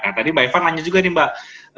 tadi mbak eva nanya juga nih mbak